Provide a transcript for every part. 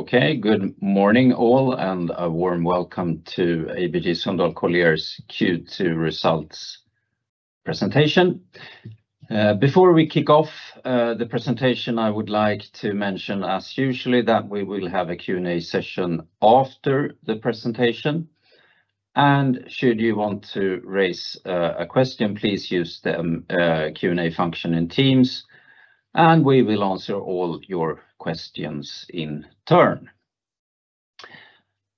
Okay, good morning all, and a warm welcome to ABG Sundal Collier's Q2 results presentation. Before we kick off the presentation, I would like to mention, as usual, that we will have a Q&A session after the presentation. Should you want to raise a question, please use the Q&A function in Teams, and we will answer all your questions in turn.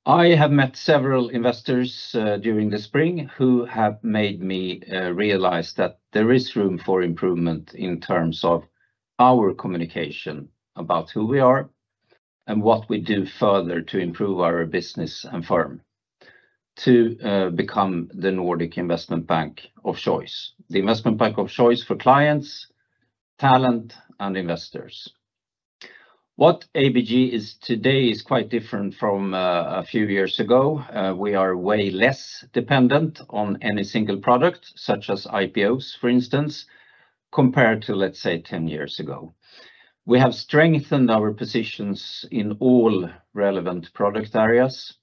I have met several investors during the spring who have made me realize that there is room for improvement in terms of our communication about who we are and what we do further to improve our business and firm to become the Nordic investment bank of choice, the investment bank of choice for clients, talent, and investors. What ABG is today is quite different from a few years ago. We are way less dependent on any single product, such as IPOs, for instance, compared to, let's say, 10 years ago. We have strengthened our positions in all relevant product areas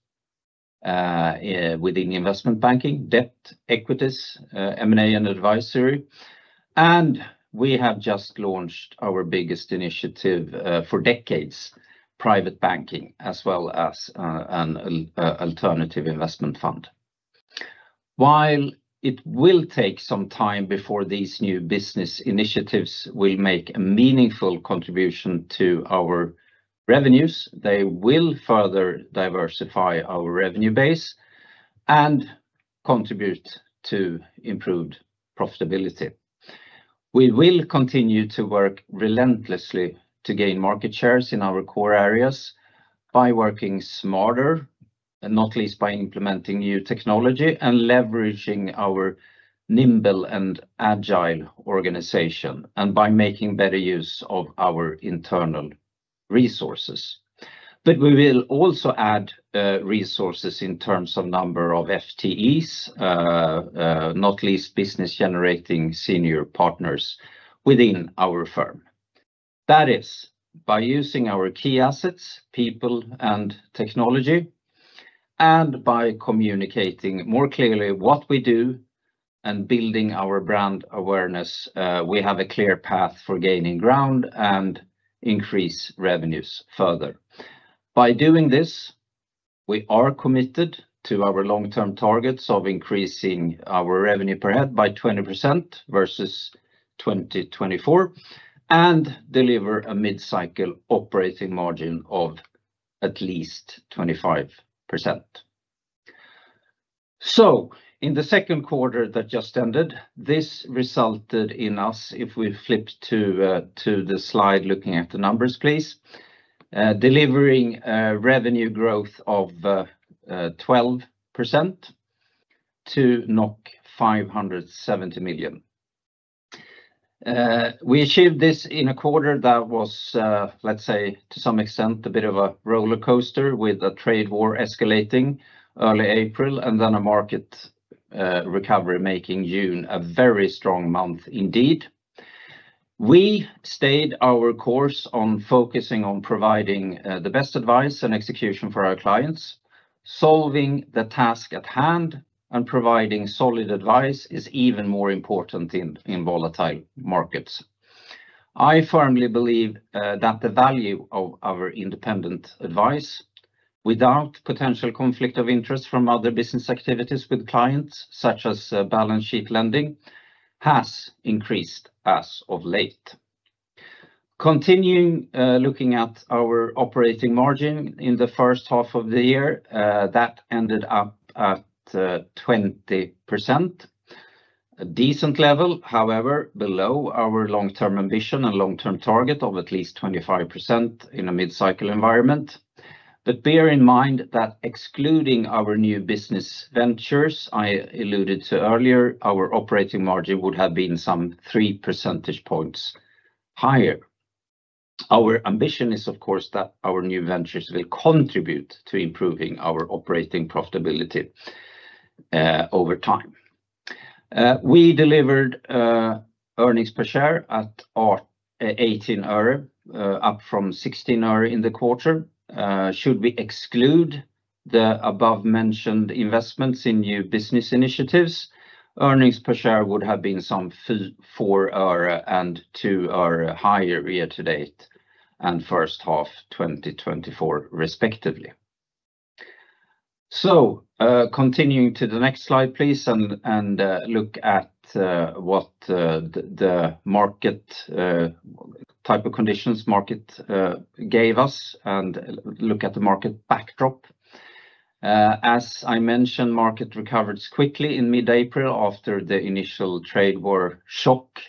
within investment banking, debt, equities, M&A, and advisory. We have just launched our biggest initiative for decades, Private Banking, as well as an alternative investment fund. While it will take some time before these new business initiatives will make a meaningful contribution to our revenues, they will further diversify our revenue base and contribute to improved profitability. We will continue to work relentlessly to gain market shares in our core areas by working smarter, not least by implementing new technology and leveraging our nimble and agile organization, and by making better use of our internal resources. We will also add resources in terms of number of FTEs, not least business-generating senior partners within our firm. That is, by using our key assets, people, and technology, and by communicating more clearly what we do and building our brand awareness, we have a clear path for gaining ground and increase revenues further. By doing this, we are committed to our long-term targets of increasing our revenue per head by 20% versus 2024 and deliver a mid-cycle operating margin of at least 25%. In the second quarter that just ended, this resulted in us, if we flip to the slide looking at the numbers, please, delivering revenue growth of 12% to 570 million. We achieved this in a quarter that was, let's say, to some extent, a bit of a roller coaster with a trade war escalating early April and then a market recovery making June a very strong month indeed. We stayed our course on focusing on providing the best advice and execution for our clients. Solving the task at hand and providing solid advice is even more important in volatile markets. I firmly believe that the value of our independent advice without potential conflict of interest from other business activities with clients, such as balance sheet lending, has increased as of late. Continuing looking at our operating margin in the first half of the year, that ended up at 20%. A decent level, however, below our long-term ambition and long-term target of at least 25% in a mid-cycle environment. Bear in mind that excluding our new business ventures I alluded to earlier, our operating margin would have been some 3 percentage points higher. Our ambition is, of course, that our new ventures will contribute to improving our operating profitability over time. We delivered earnings per share at 18 euro, up from 16 euro in the quarter. Should we exclude the above-mentioned investments in new business initiatives, earnings per share would have been some 4 and 2 higher year to date and first half 2024, respectively. Continuing to the next slide, please, and look at what the market type of conditions market gave us and look at the market backdrop. As I mentioned, market recovered quickly in mid-April after the initial trade war shock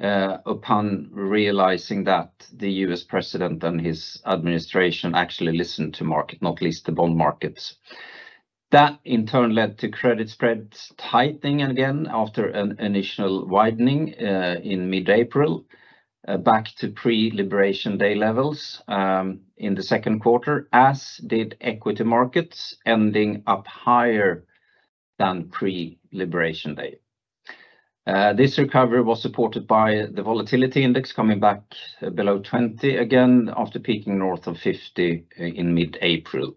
upon realizing that the U.S. president and his administration actually listened to market, not least the bond markets. That, in turn, led to credit spreads tightening again after an initial widening in mid-April, back to pre-liberation day levels in the second quarter, as did equity markets, ending up higher than pre-liberation day. This recovery was supported by the volatility index coming back below 20 again after peaking north of 50 in mid-April.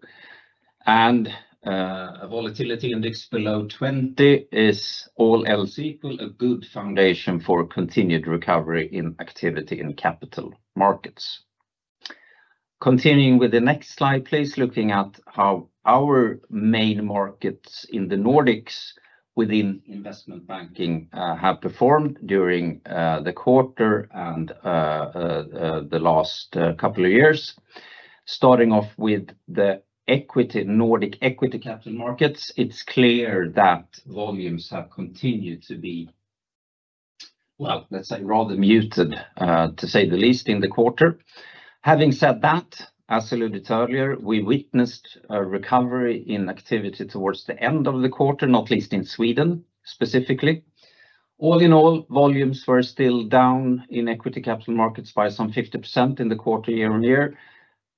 A volatility index below 20 is all else equal a good foundation for continued recovery in activity in capital markets. Continuing with the next slide, please, looking at how our main markets in the Nordics within investment banking have performed during the quarter and the last couple of years. Starting off with the Nordic equity capital markets, it's clear that volumes have continued to be, let's say, rather muted, to say the least, in the quarter. Having said that, as alluded earlier, we witnessed a recovery in activity towards the end of the quarter, not least in Sweden specifically. All in all, volumes were still down in equity capital markets by some 50% in the quarter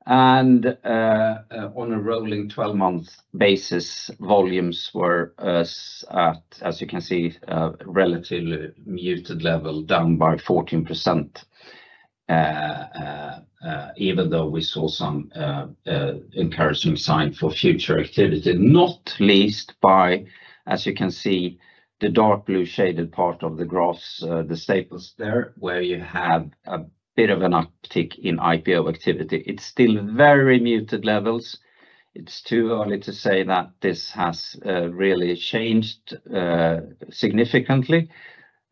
year-on-year. On a rolling 12-month basis, volumes were, as you can see, at a relatively muted level, down by 14%, even though we saw some encouraging signs for future activity, not least by, as you can see, the dark blue shaded part of the graphs, the staples there, where you have a bit of an uptick in IPO activity. It's still very muted levels. It's too early to say that this has really changed significantly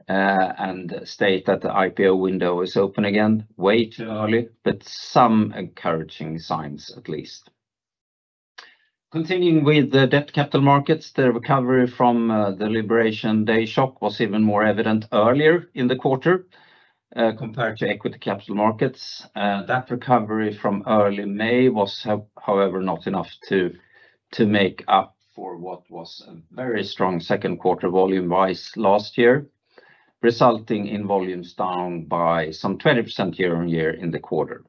and state that the IPO window is open again, way too early, but some encouraging signs at least. Continuing with the debt capital markets, the recovery from the liberation day shock was even more evident earlier in the quarter compared to equity capital markets. That recovery from early May was, however, not enough to make up for what was a very strong second quarter volume-wise last year, resulting in volumes down by some 20% year-on-year in the quarter.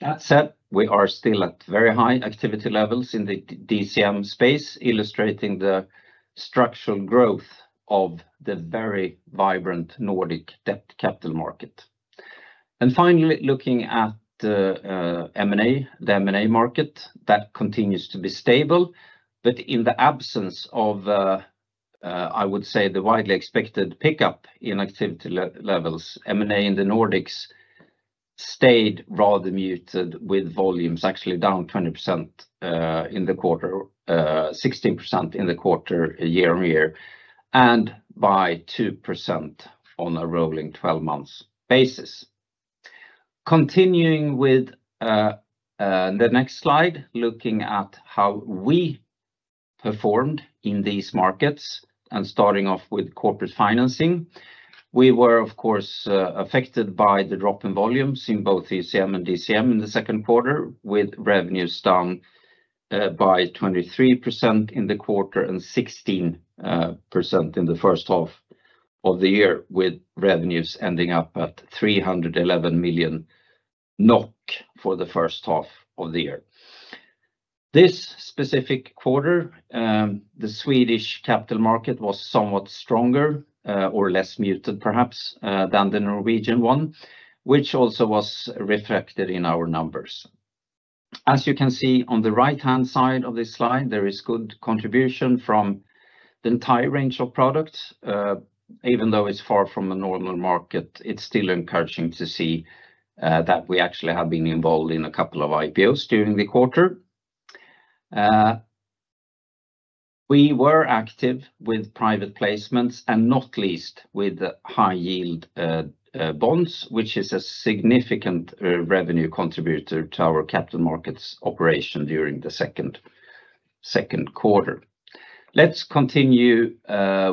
That said, we are still at very high activity levels in the DCM space, illustrating the structural growth of the very vibrant Nordic debt capital market. Finally, looking at the M&A, the M&A market continues to be stable, but in the absence of, I would say, the widely expected pickup in activity levels, M&A in the Nordics stayed rather muted with volumes actually down 20% in the quarter, 16% in the quarter year on year, and by 2% on a rolling 12-month basis. Continuing with the next slide, looking at how we performed in these markets and starting off with corporate financing, we were, of course, affected by the drop in volumes in both ECM and DCM in the second quarter, with revenues down by 23% in the quarter and 16% in the first half of the year, with revenues ending up at 311 million NOK for the first half of the year. This specific quarter, the Swedish capital market was somewhat stronger or less muted, perhaps, than the Norwegian one, which also was reflected in our numbers. As you can see on the right-hand side of this slide, there is good contribution from the entire range of products. Even though it's far from a normal market, it's still encouraging to see that we actually have been involved in a couple of IPOs during the quarter. We were active with private placements and not least with the high-yield bonds, which is a significant revenue contributor to our capital markets operation during the second quarter. Let's continue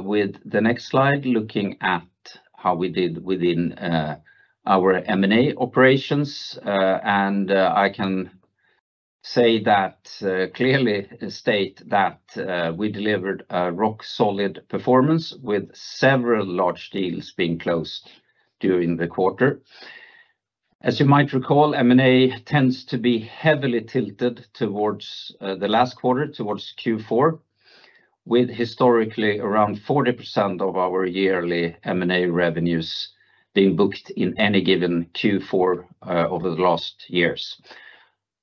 with the next slide, looking at how we did within our M&A operations. I can clearly state that we delivered a rock-solid performance with several large deals being closed during the quarter. As you might recall, M&A tends to be heavily tilted towards the last quarter, towards Q4, with historically around 40% of our yearly M&A revenues being booked in any given Q4 over the last years.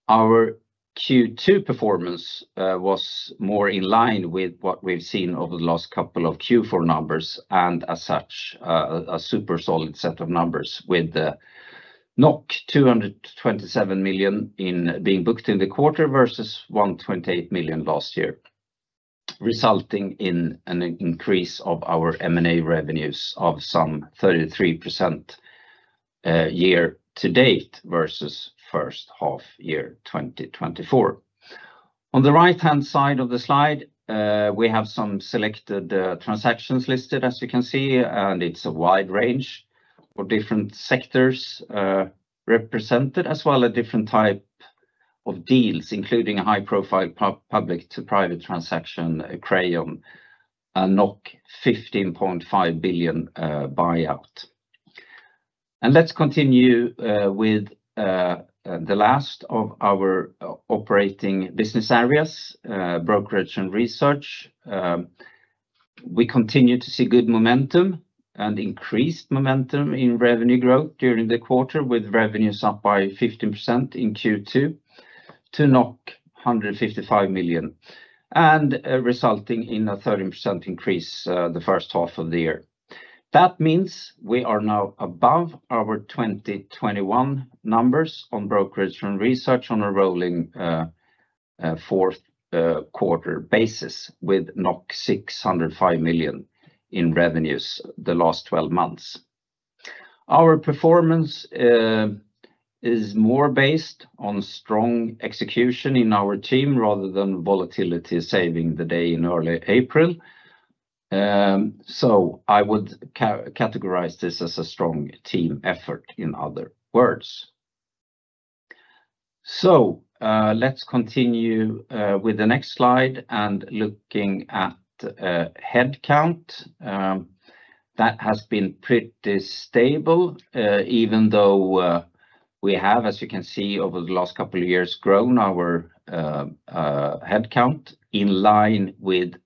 Our Q2 performance was more in line with what we've seen over the last couple of Q4 numbers and as such, a super solid set of numbers with 227 million being booked in the quarter versus 128 million last year, resulting in an increase of our M&A revenues of some 33% year to date versus first half year 2024. On the right-hand side of the slide, we have some selected transactions listed, as you can see, and it's a wide range of different sectors represented as well as different types of deals, including a high-profile public-to-private transaction, Crayon, a 15.5 billion buyout. Let's continue with the last of our operating business areas, Brokerage and Research. We continue to see good momentum and increased momentum in revenue growth during the quarter, with revenues up by 15% in Q2 to 155 million, resulting in a 30% increase the first half of the year. That means we are now above our 2021 numbers on Brokerage and Research on a rolling fourth quarter basis with 605 million in revenues the last 12 months. Our performance is more based on strong execution in our team rather than volatility saving the day in early April. I would categorize this as a strong team effort in other words. Let's continue with the next slide and looking at headcount. That has been pretty stable, even though we have, as you can see, over the last couple of years, grown our headcount in line with the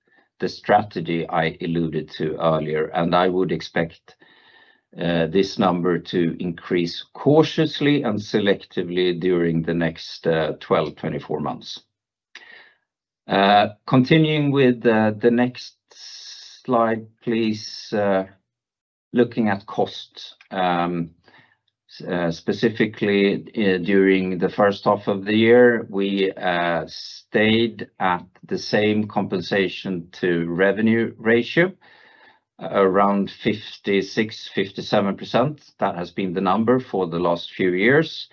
strategy I alluded to earlier. I would expect this number to increase cautiously and selectively during the next 12 to 24 months. Continuing with the next slide, please, looking at costs. Specifically, during the first half of the year, we stayed at the same compensation-to-revenue ratio, around 56%-57%. That has been the number for the last few years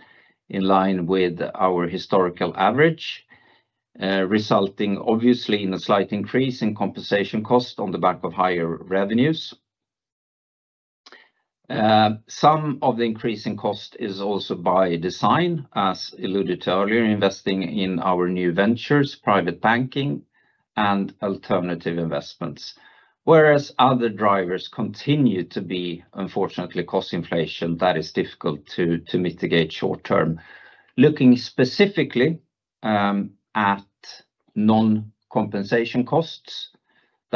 in line with our historical average, resulting obviously in a slight increase in compensation cost on the back of higher revenues. Some of the increase in cost is also by design, as alluded to earlier, investing in our new ventures, Private Banking, and Alternatives Investments. Whereas other drivers continue to be, unfortunately, cost inflation that is difficult to mitigate short term. Looking specifically at non-compensation costs,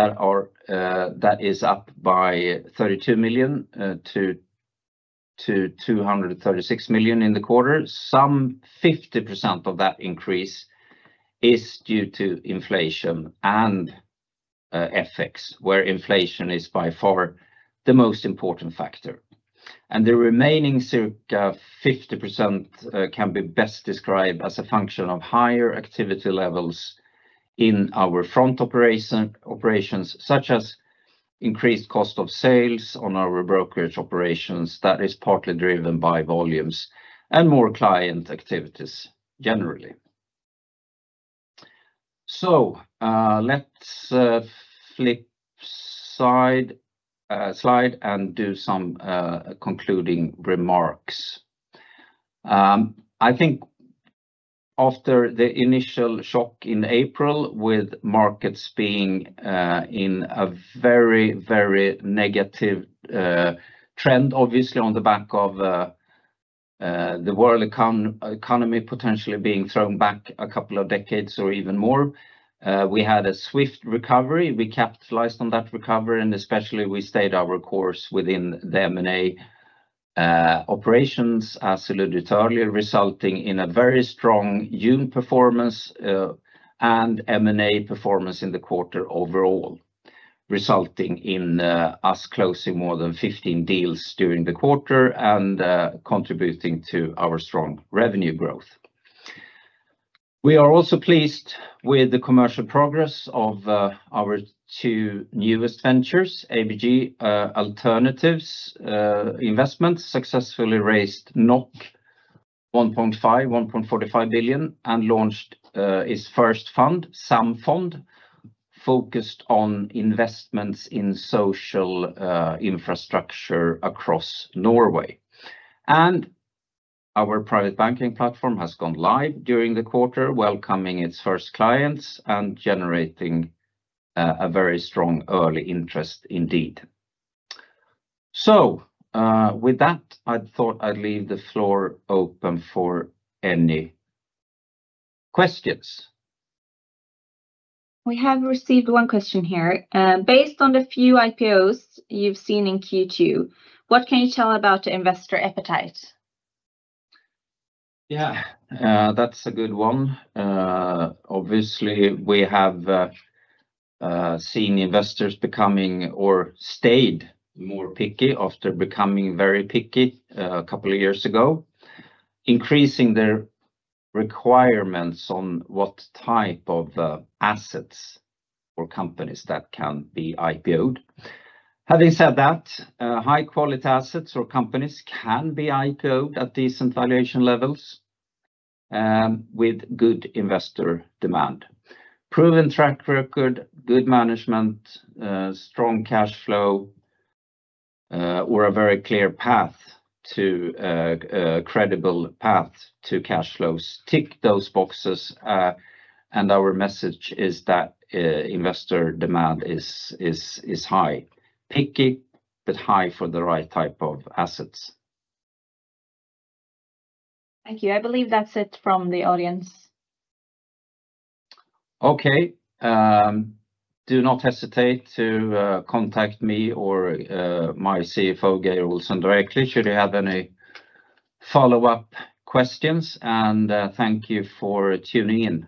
that is up by 32 million-236 million in the quarter. Some 50% of that increase is due to inflation and FX, where inflation is by far the most important factor. The remaining circa 50% can be best described as a function of higher activity levels in our front operations, such as increased cost of sales on our brokerage operations that is partly driven by volumes and more client activities generally. Let's flip slide and do some concluding remarks. I think after the initial shock in April with markets being in a very, very negative trend, obviously on the back of the world economy potentially being thrown back a couple of decades or even more, we had a swift recovery. We capitalized on that recovery and especially we stayed our course within the M&A operations, as alluded earlier, resulting in a very strong June performance and M&A performance in the quarter overall, resulting in us closing more than 15 deals during the quarter and contributing to our strong revenue growth. We are also pleased with the commercial progress of our two newest ventures, ABG Alternatives Investments, successfully raised 1.45 billion and launched its first fund, SAM Fund, focused on investments in social infrastructure across Norway. Our Private Banking platform has gone live during the quarter, welcoming its first clients and generating a very strong early interest indeed. With that, I thought I'd leave the floor open for any questions. We have received one question here. Based on the few IPOs you've seen in Q2, what can you tell about the investor appetite? Yeah, that's a good one. Obviously, we have seen investors becoming or stayed more picky after becoming very picky a couple of years ago, increasing their requirements on what type of assets or companies that can be IPOed. Having said that, high-quality assets or companies can be IPOed at decent valuation levels with good investor demand. Proven track record, good management, strong cash flow, or a very clear path to a credible path to cash flows, tick those boxes. Our message is that investor demand is high, picky, but high for the right type of assets. Thank you. I believe that's it from the audience. Okay. Do not hesitate to contact me or my CFO, Geir Olsen, directly should you have any follow-up questions. Thank you for tuning in.